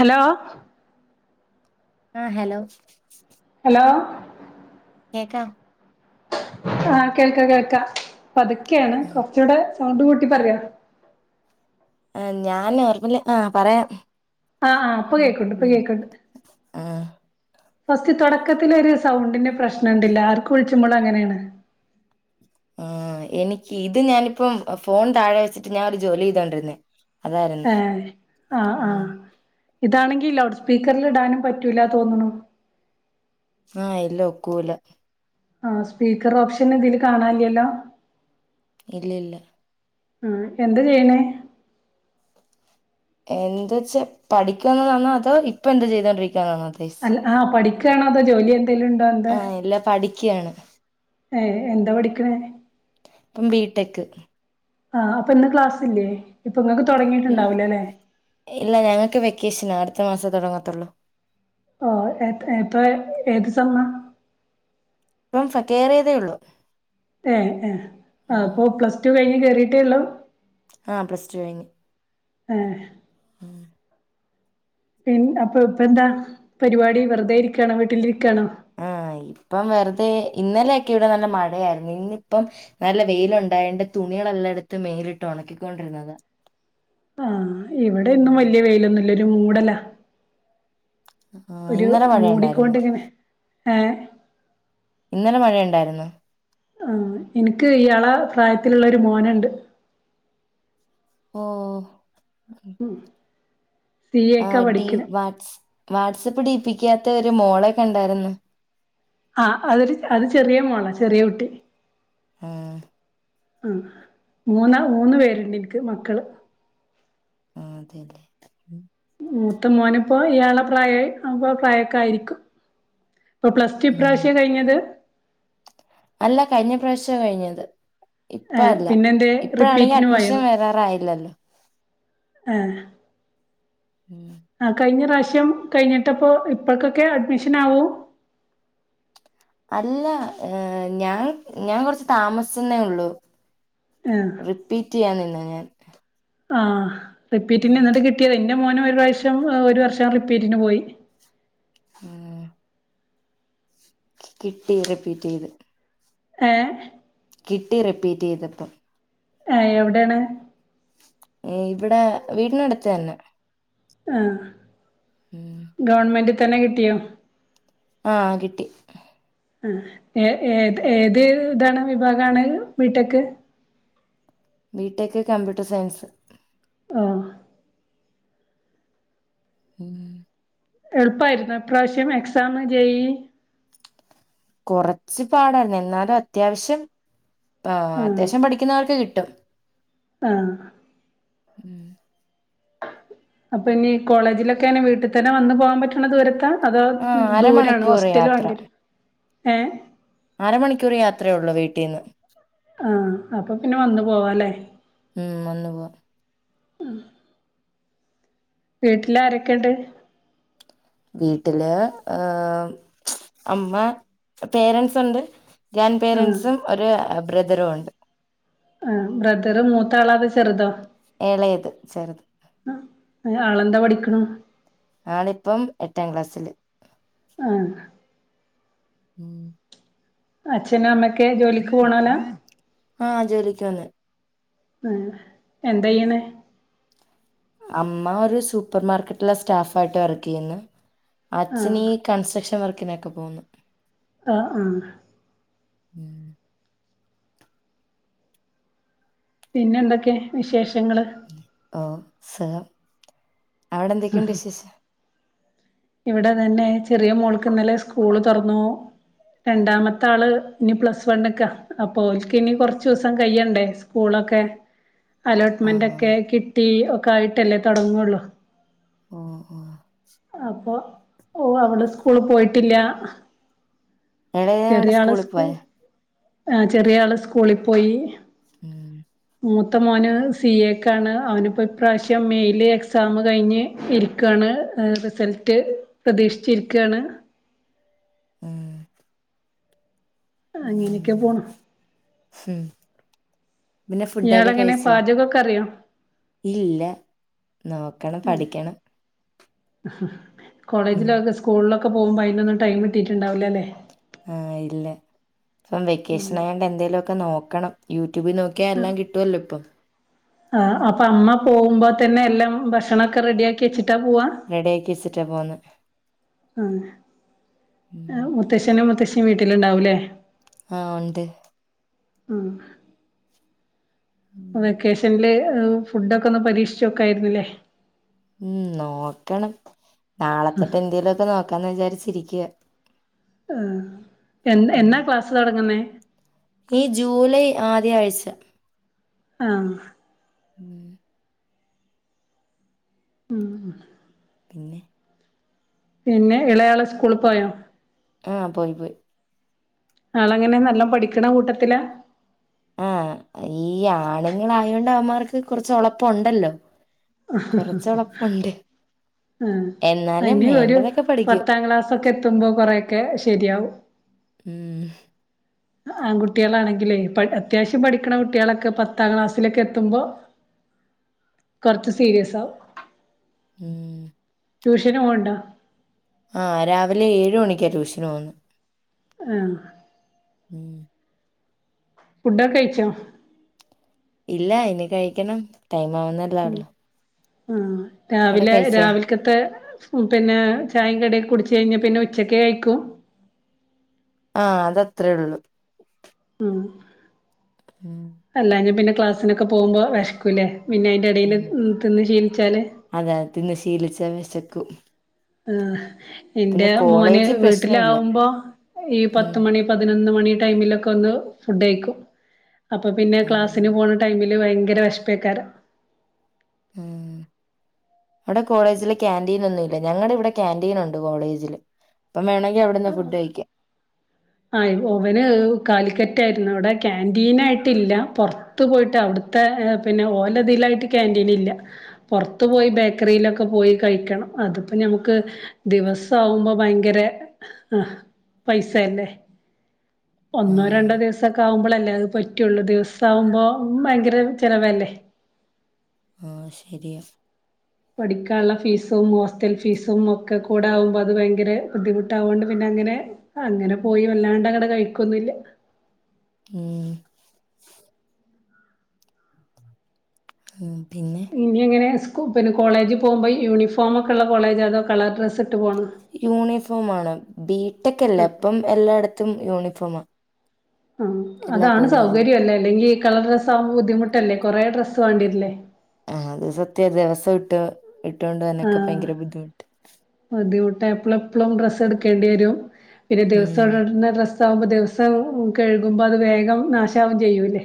Hello? ആഹ്, hello hello? കേക്കാം. ആഹ്, കേൾക്ക കേൾക്കാ പതുക്കെണ് കൊർച്ചൂടെ സൗണ്ട് കൂട്ടി പറിയോ ആഹ്, ഞാന് [unintelligible] ആഹ് പറയാം ആഹ്, ആഹ് പ്പൊ ഉം കേക്ക്ണ്ട് പ്പൊ ഉം കേക്ക്ണ്ട്. ആഹ് ഫസ്റ്റ് തൊടക്കത്തിലൊരു സൗണ്ടിന്റെ പ്രശ്നം ഉണ്ട്ലെ ആർക്കു വിൾച്ചുമ്പൊളും അങ്ങനെണ്. ആഹ്, എനിക്ക് ഇത് ഞാനിപ്പം ഏഹ്, ഫോൺ താഴെ വെച്ചിട്ട് ഞാഒരു ജോലി ചെയ്തോണ്ടിരുന്നേ അതായിരുന്നു ഏഹ്, ആഹ്, ഉം ആഹ് ഇതാണെങ്കി ലൗഡ്സ്പീക്കർല്ടാനും പറ്റൂല്ല തോന്നുണു. ആഹ് ഇല്ല ഒക്കൂല. ആഹ്, സ്പീക്കർ ഓപ്ഷന് തില് കാണാല്ല്യല്ലോ ഇല്ല്യല്ല. മ്, എന്താചെയ്യണേ? എന്താച്ച പഠിക്കുന്നതാന്നോ അതോ ഇപ്പ എന്ത ചെയ്തോണ്ടിരിക്കാന്നാന്നോ അല്ല ആഹ്, പഠിക്കാണോ അതോ ജോലി എന്തേലു ആഹ്, ഇല്ല പഠിക്ക്യാണ്. ഏഹ്, എന്താ പഠിക്ക്ണേ പ്പം ബിടെക്ക് ആഹ് അപ്പൊ ഇന്ന് ക്ലാസ് ഇല്ല്യേ, ഇപ്പൊ ഇങ്ങക്ക് തൊടങ്ങിയിട്ടുണ്ടാവൂലലെ? ഇല്ല ഞങ്ങക്ക് വെക്കേഷനാ അടുത്ത മാസം തൊടങ്ങത്തുള്ളൂ. ഓഹ്, എഹ്, ഏഹ് പ്പ ഏത് സെമ്മാ ഇപ്പം ഫ കേറിയതേഉള്ളൂ ഏഹ്, ഏഹ് അപ്പൊ പ്ലസ് ടു കഴിഞ്ഞ് കേറിയിട്ടേ ള്ളൂ. ആഹ്, പ്ലസ്ടു കഴിഞ്ഞ് ഏഹ് മ് പിന്ന അപ്പൊ ഇപ്പ എന്താ പരിവാടി വെറുതെ ഇരിക്കാണോ വീട്ടിലിരിക്കാണോ? ആഹ്, ഇപ്പം വെറ്തെ ഇന്നലെയൊക്കെ ഇവിടെ നല്ല മഴയായിരുന്നു. ഇന്നിപ്പം നല്ല വെയിലുണ്ടായെണ്ട് തുണികളെല്ലാട്ത്ത് മേലിട്ട് ഒണക്കിക്കൊണ്ടിരുന്നത ആഹ്, ഇവടെന്നും വല്ല്യ വെയിലൊന്നുല്ല്യ ഒരു മൂടലാ ആഹ് ഒരു ഇന്നലെ മഴയുണ്ടായിരുന്നു മൂടിക്കോണ്ടിങ്ങനെ ഏഹ് ഇന്നലെ മഴണ്ടായിര്ന്നോ? ആഹ്, ഇന്ക്ക് ഇയാളെ പ്രായത്തിലുള്ള ഒരു മോന്ണ്ട് ഓഹ് ഉം, സിഎക്കാ പഠിക്ക്ണെ പാട്സ് വാട്സ്ആപ്പ് ഡീപ്പിക്ക്യാത്ത് ഒരുമോളൊ കണ്ടായിര്ന്ന് ആഹ്, അതൊരു അത് ചെറിയ മോള ചെറിയ കുട്ടി ഏഹ് ആഹ് മൂന്ന മൂന്ന് പേര്ണ്ട് ഇന്ക്ക് മക്കള് ആഹ് അതേല്ലേ? മൂത്ത മോന്പ്പോ ഇയാളെ പ്രായ അ പ്രായൊക്കെ ആയിരിക്കും ഇപ്പൊ പ്ലസ്ടു ഉം ഇപ്രാവിശ്യ കഴിഞ്ഞത്? അല്ല കഴിഞ്ഞ പ്രാവിശ്യാ കഴിഞ്ഞത് ഇപ്പ ഏഹ് അല്ല പിന്നെന്തേ ഇപ്പഴാണെങ്കി അഡ്മിഷൻ വരാറായില്ലല്ലോ? ആഹ് ഉം ആഹ് കഴിഞ്ഞറാശ്യം കഴിഞ്ഞിട്ടപ്പോ ഇപ്പക്കെക്കെ അഡ്മിഷനാവു? അല്ല ഏഹ് ഞാൻ ഞാൻ കൊറച്ച് താമസിച്ചെന്നേ ഒള്ളൂ ആഹ് റിപ്പീറ്റെയ്യാൻ നിന്നേ ഞാൻ ആഹ് റിപ്പീറ്റിന് നിന്നിട്ട് കിട്ടിയത് ഇന്റെ മോന് ഒരു പ്രാവിശ്യം ഒരു വർഷം റിപ്പീറ്റിന് പോയി ഉം കിട്ടി റിപ്പീറ്റ് ചെയ്ത് ഏഹേ? കിട്ടി റിപ്പീറ്റ് ചെയ്തപ്പം ഏഹ് എവിടേണ്? ഉം ഇവിടെ വീട്ടിനടുത്ത് തന്നെ ആഹ് ഉം ഗവൺമെന്റി തന്നെ കിട്ടിയോ? ആഹ് കിട്ടി ആ ഏ ഏ ഏത് ഇതാണ് വിഭാഗാണ് ബീട്ടെക്ക്? ബീ ട്ടെ ക്ക് കമ്പ്യൂട്ടർ സയൻസ് ആഹ് ഉം എളുപ്പായിരുന്നോ ഇപ്പ്രാവിശ്യം എക്സാമ് ജയി കൊറച്ച് പാടായിരുന്നു എന്നാലും അത്യാവിശ്യം ആഹ് അത്യാവിശ്യം പഠിക്കുന്നവർക്ക് കിട്ടും ആഹ് അപ്പൊ ഇനി കോളേജിലൊക്കെ എങ്ങനെ വീട്ട് തന്നെ വന്ന് പോകാൻ പറ്റ്ണ ദൂരെത്താ? അതോ ആഹ് ദൂരാണോ? അരമണിക്കൂർ ഹോസ്റ്റല് വേണ്ടി വരോ? ഏഹേ? അര മണിക്കൂർ യാത്രേയൊള്ളൂ വീട്ടീന്ന് ആഹ് അപ്പൊ പിന്നെ വന്ന് പോവാലേ? ഉം വന്ന് പോവാ വീട്ടില് ആരെക്കെണ്ട്? വീട്ടില് ഏമ് അമ്മ പേരന്സുണ്ട് ഗ്രാൻ്റ് ആഹ് പേരൻസും ഒരു ബ്രദറുവുണ്ട് ആഹ് ബ്രദറ് മൂത്താളാ? അതോ ചെറുതോ? എളയത് ചെറുത് ആഹ് ആളെന്താ പഠിക്ക്ണെ? ആളിപ്പം എട്ടാം ക്ലാസ്സില് ആഹ് ഉം അച്ഛനും അമ്മയക്കെ ജോലിക്ക് പോണോലാ? ആഹ് ജോലിക്ക് പോവ്ന്ന് ഏഹ് എന്തെയ്യ്ണ്? അമ്മ ഒരു സൂപ്പർ മാർക്കറ്റിലെ സ്റ്റാഫ് ആയിട്ട് വർക്ക് ചെയ്യുന്നു ആഹ് അച്ഛൻ ഈ കൺസക്ട്രക്ഷൻ വർക്കിനൊക്കെ പോകുന്നു അ ആഹ് ഉം പിന്നെ എന്തൊക്കെ വിശേഷങ്ങള് ഓ സ അവിടെ എന്തൊക്കെയുണ്ട് വിശേഷം ഇവിടെ അത് തന്നെ ചെറിയ മോൾക്ക് ഇന്നലെ സ്കൂള് തുറന്നു രണ്ടാമത്തെ ആള് ഇനി പ്ലസ് വണ്ണ് ക്കാ അപ്പൊ ഓല്ക്ക് ഇനി കൊറച്ച് ദിവസം കയ്യിണ്ടേ സ്കൂളെക്കെ ആഹ് അലോട്ട്മെന്റൊക്കെ കിട്ടി ഒക്കെ ആയിട്ടല്ലേ തൊടങ്ങൂള്ളു ഉം ഉം അപ്പൊ ഓഹ് അവള് സ്കൂള് പോയിട്ടില്ല എളയാള് ചെറിയാള് സ്കൂളി സ്കൂ പോയാ ആഹ് ചെറിയാള് സ്കൂളി പോയി ഉം മൂത്ത മോന് സി എ ക്കാണ് അവനിപ്പം ഇപ്രാശ്യം മെയ്ൽ എക്സാം കഴിഞ്ഞ് ഇരിക്കാണ് റിസൾട്ട് പ്രതീക്ഷിച്ചിരിക്കാണ് ഏഹ് അങ്ങനെക്കെ പോണു ഉം പിന്നെ ഫുഡൊക്കെ ഇയാളെങ്ങനെ കഴിച്ച പാചകൊക്കെ അറിയോ ഇല്ല നോക്കണം പഠിക്കണം ഉം കോളേജിലൊക്കെ സ്കൂളിലൊക്കെ പോവുമ്പ അയിനൊന്നും ടൈം കിട്ടീട്ടുണ്ടാവില്ലല്ലേ ആഹ് ഇല്ല ഇപ്പം വെക്കേഷനായോണ്ട് എന്തേലൊക്കെ നോക്കണം യൂട്യൂബി നോക്കി ക്ക്യ എല്ലാം കിട്ടുവല്ലോ ഇപ്പം ആഹ് അപ്പം അമ്മ പോകുമ്പ തന്നെ എല്ലാം ഭക്ഷണൊക്കെ റെഡിയാക്കി വെച്ചിട്ടാ പോവാ റെഡിയാക്കി വെച്ചിട്ട പോവ്ന്നെ ഉം ആഹ് മുത്തശ്ശനും മുത്തശ്ശിം വീട്ടിലുണ്ടാവൂലേ ആഹ് ഉണ്ട് ഉം ഉം വെക്കേഷനില് ഫുഡൊക്കെ ഒന്ന് പരീക്ഷിച്ചോക്കായിരുന്നില്ലേ ഉം നോക്കണം നാളെത്തൊട്ട് എന്തേലുവൊക്കെ നോക്കാന്ന് വിചാരിച്ചിരിക്ക ആഹ് എ എന്നാ ക്ലാസ് തൊടങ്ങുന്നെ ഈ ജൂലൈ ആദ്യ ആഴ്ച ആഹ് ഉം ഉം പിന്നെ പിന്നെ ഇളെയാള് സ്കൂളി പോയോ ആഹ് പോയി പോയി ആളെങ്ങനെ നല്ലോ പഠിക്കണ കൂട്ടത്തില ആഹ് ഈ ആണുങ്ങളായോണ്ട് അവമാർക്ക് കൊറച്ച് ഒളപ്പൊണ്ടല്ലോ ആഹ് എന്നാലും ഇനി ഒരു വേണ്ടതൊക്കെ പഠിക്കും പത്താം ക്ലാസ്സൊക്കെ എത്തുമ്പൊ കൊറെയൊക്കെ ശരിയാവും ഉം ആങ്കുട്ടികളാണെങ്കിലേ അത്യാവശ്യം പഠിക്കണ കുട്ടികളൊക്കെ പത്താം ക്ലാസ്സിലൊക്കെ എത്തുമ്പൊ കൊറച്ച് സീരിയസാവും ഉം ട്യൂഷന് പോവണ്ടോ ആഹ് രാവിലെ ഏഴ് മണിക്കാ ട്യൂഷന് പോവുന്നെ ആഹ് ഉം ഫുഡൊക കഴിച്ചോ ഇല്ല ഇനി കഴിക്കണം ടൈം ആവുന്ന ഉം ആഹ് അവിടെ രാവിലെ കഴിച്ചാ രാവിലെ ക്കത്തെ പിന്നെ ചായെം കടീക്കെ കുടിച്ചഴിഞ്ഞ പിന്നെ ഉച്ചക്കെ കഴിക്കു ആഹ് അതത്രേ ഉള്ളു ഉം ഉം അല്ലാഞ്ഞ് പിന്നെ ക്ലാസ്സിനൊക്കെ പോവുമ്പോ വെശക്കൂല്ലേ പിന്നെ അയിന്റെടേല് ഉം തിന്ന് ശീലിച്ചാല് അതെ തിന്ന് ശീലിച്ച വെശക്കും ആഹ എന്റെ മോന് കോളേജ് പ്രശ്ന ഇല്ല വീട്ടിലാവുമ്പോ ഈ ഉം പത്ത് മണി പതിനൊന്ന് മണി ടൈമിലൊക്കെ ഒന്ന് ഫുഡ്യ്ക്കും അപ്പ പിന്നെ ഉം ക്ലാസിന് പോണ ടൈമ ഭയങ്കര വിശപ്പായ്ക്കാരം ഉം അവിടെ കോളേജില് കാന്റീൻ ഒന്നും ഇല്ലെ ഞങ്ങളുടെ ഇവിടെ ക്യാന്റീൻ ഉണ്ട് കോളേജില് ഇപ്പ വേണമെങ്കി അവിടുന്ന് ഫുഡ് കഴിക്കാം ആഹ് ഓവന് കാലിക്കറ്റായിരുന്നു അവിടെ ക്യാന്റീനായിട്ടില്ല പുറ ത്ത് പോയിട്ട് അവിടുത്തെ പിന്നെ ഓലതിലായിട്ട് ക്യാന്റീൻ ഇല്ല പുറത്തു പോയി ബേക്കറിയിലൊക്കെ പോയി കഴിക്കണം അതിപ്പ ഞമുക്ക് ദിവസ ആവുമ്പോ ഭയങ്കര ആഹ പൈസല്ലേ ഒന്നോ ഉം രണ്ടോ ദിവസൊക്കെ ആകുമ്പോളല്ലേ അത് പറ്റുള്ളൂ ദിവസ ആവുമ്പോ ഭയങ്കര ചിലവല്ലേ ആഹ ശരിയ പഠിക്കാനുള്ള ഫീസും ഹോസ്റ്റൽ ഫീസും ഒക്കെ കൂട ആകുമ്പോൾ അത് ഭയങ്കര ബുദ്ധിമുട്ടാവുകോണ്ട് പിന്നെ അങ്ങനെ അങ്ങനെ പോയി വല്ലാണ്ട് അങ്ങടെ കഴിക്കൊന്നില്ല ഉം ഉം പിന്നെ ഇനി അങ്ങനെ സ് പിന്നെ കോളേജ് പോകുമ്പോൾ യൂണിഫോമൊക്കെ ഉള്ള കോളേജ് അതോ കളർ ഡ്രസ്സ് ഇട്ട് പോണോ യൂണിഫോം വേണം ബിടെക് അല്ലേ ഇപ്പം എല്ലായിടത്തും യൂണിഫോമാ ആഹ എല്ലാ അതാണ് കോളേജിലും സൗകര്യമല്ലേ അല്ലെങ്കി കളർ ഡ്രസ്സ് ആവ്പോ ബുദ്ധിമുട്ടല്ലേ കൊറെേ ഡ്രസ്സ് വേണ്ടിരല്ലേ ആഹ് അത് സത്യം ദിവസം ഇട്ട് ഇട്ടുകൊണ്ട് തന്നെക്കെ ഭയങ്കര ബുദ്ധിമുട്ട് ബുദ്ധിമുട്ട എപ്പളെ എപ്പോഴും ഡ്രസ്സ് എടുക്കേണ്ടി വരും പിന്നെ ഉം ദിവസം ഇടുന്ന ഡ്രസ് സകുമ്പോൾ ദിവസം കഴുകുമ്പോൾ അത് വേഗം നാശമാവും ചെയ്യൂല്ലേ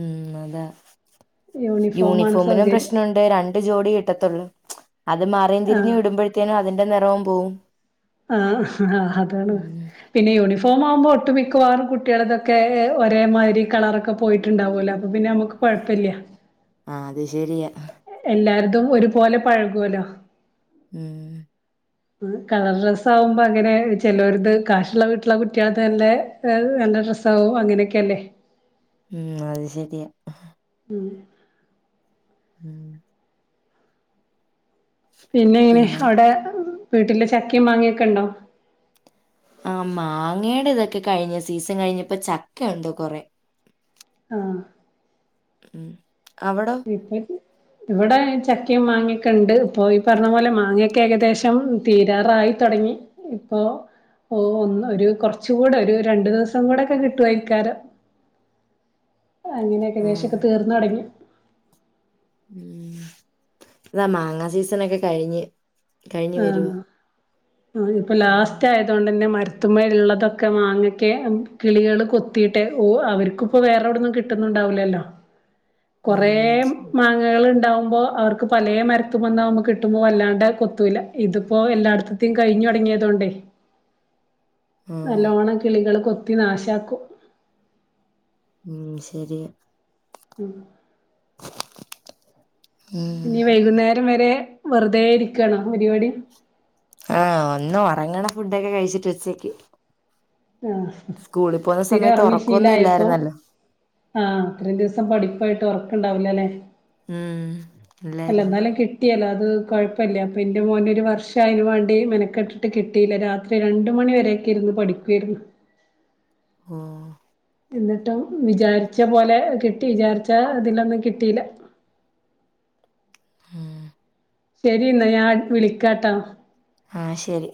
ഉം അതാ യൂണിഫോമാണ് യൂണിഫോമിനും സൗകര്യം പ്രശ്നണ്ട് രണ്ട് ജോടി കിട്ടത്തുള്ളൂ അത് മാറിയും തിരിഞ്ഞു ആഹ് ഇടുമ്പോഴത്തേനും അതിന്റെ നിറവും പോവും ആഹ് ആഹ അതാണ് ഉം പിന്നെ യൂണിഫോം ആവുമ്പോൾ ഒട്ടുമിക്കവാറും കുട്ടികളതൊക്കെ ഒരേമാതിരി കളറൊക്കെ പോയിട്ടുണ്ടാവില്ലോ അപ്പോൾ പിന്നെ നമുക്ക് കൊഴപ്പല്ല ആഹ അത് ശരിയാ എല്ലാർതും ഒരുപോലെ പഴകുവലോ ഉം കളർ ഡ്രസ്സ് ആകുമ്പോ അങ്ങനെ ചെലോരിടെത് കാശുള്ള വീട്ടിലുള്ള കുട്ടികൾ തല്ലെ വെള്ള ഡ്രസ്സാകും അങ്ങനെയൊക്കെ അല്ലേ ഉം അത് ശെരിയാ ഉം ഉം പിന്നെ എങ്ങനെ അവിടെ വീട്ടില് ചക്കയും മാങ്ങയൊക്കെ ഉണ്ടോ ആ മാങ്ങയുടെ ഇതൊക്കെ കഴിഞ്ഞു സീസൺ കഴിഞ്ഞ് ഇപ്പൊ ചക്ക ഉണ്ട് കൊറെ ആഹ് ഉം അവിടോ ഇപ്പത് ഇവിടെ ചക്കയും മാങ്ങിയൊക്കെ ഉണ്ട് പോ ഇ പറഞ്ഞ പോലെ മാങ്ങിയൊക്കെ ഏകദേശം തീരാറായി തുടങ്ങി ഇപ്പൊ ഓ ഒ ഒരു കൊറച്ച് കൂടെ ഒരു രണ്ടു ദിവസം കൂടെ ഒക്കെ കിട്ടു വായിക്കാരം അങ്ങനെയൊക്കെ ലേശൊക്കെ ആഹ് തീർന്ന് തുടങ്ങി ഉം ഇതാ മാങ്ങ സീസണൊക്കെ കഴിഞ്ഞ് കഴിഞ്ഞ് ആഹ് വരുവാ ആ ഇപ്പൊ ലാസ്റ്റ് ആയതൊണ്ട്ന്നെ മര ത്തുമ്മെ ഉള്ളതൊക്കെ മാങ്ങൊക്കെ കിളികൾ കൊത്തിയിട്ട് ഓ അവർക്കിപ്പോ വേറെവിടെന്നും കിട്ട കിട്ടുന്നുണ്ടാവില്ലല്ലോ കുറേ ഉം മാങ്ങകൾ ഉണ്ടാവുമ്പോ അവർക്ക് പലേ മരത്തുമന്നക്ക് കിട്ടുമ്പോ വല്ലാണ്ട് കൊ ത്തുല ഇതിപ്പോ എല്ലായിടത്തെയും കഴിഞ്ഞു തുടങ്ങിയതൊണ്ടേ ആഹ് നല്ലോണം കിളികൾ കൊത്തി നാശാക്കും ഉം ശരി ഉ [unintelligible] ഉം ഇനി വൈകുന്നേരം വരെ വെറുതെ ഇരിക്കാണോ പരിപാടി ആഹ് ഒന്നു ഒറങ്ങണം ഫുഡൊക്കെ കഴിച്ചിട്ട് ഉച്ചേക്ക് ആഹ് പോകുന്ന സ്ഥിരം സമയത്ത് ഉറങ്ങി ഒറക്കൊന്നും ശീലായപ്പോ ഇല്ലായിരുന്നല്ലോ ആഹ അത്രയും ദിവസം പഠിപ്പായിട്ട് ഉറക്കം ണ്ടാവില്ലല്ലേ ഉം അല്ല ഇല്ലായിരുന്നു എന്നാലും കിട്ടിയല്ല അത് കുഴപ്പമില്ല അപ്പോൾ എൻ്റെ മോൻ ഒരു വർഷം അതിന് വേണ്ടി മെനക്കെട്ടിട്ട് കിട്ടിയില്ല രാത്രി രാത്രി രണ്ടു മണിവരെയൊക്കെ ഇരുന്നു പഠിക്കുആയിരുന്നു ആഹ് എന്നിട്ടും വിചാരിച്ച പോലെ കിട്ടി വിചാരിച്ച ഇതിലൊന്നും കിട്ടിയില്ല ആ ശരിന്നാ ഞാൻ വിളിക്കാട്ടാ ആഹ് ശരി